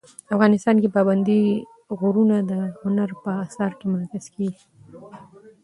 افغانستان کې پابندی غرونه د هنر په اثار کې منعکس کېږي.